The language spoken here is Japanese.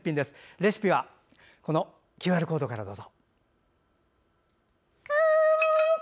レシピはＱＲコードからどうぞ。